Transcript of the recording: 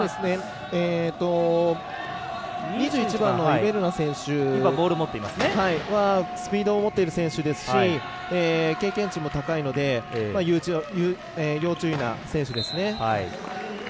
２１番の、イベルナ選手はスピードを持っている選手ですし経験値も高いので要注意な選手ですね。